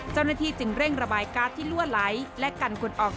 เจ้าหน้าที่จึงเร่งระบายการ์ดที่ลั่วไหลและกันคนออก